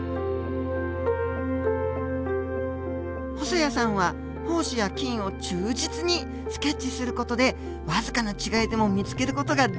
細矢さんは胞子や菌を忠実にスケッチする事で僅かな違いでも見つける事ができるのだそうです。